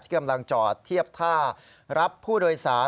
กำลังจอดเทียบท่ารับผู้โดยสาร